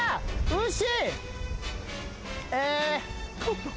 ウシ。